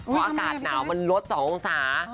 เพราะอากาศหนาวมันลด๒องศา